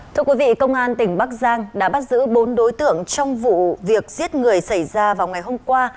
thưa quý vị công an tỉnh bắc giang đã bắt giữ bốn đối tượng trong vụ việc giết người xảy ra vào ngày hôm qua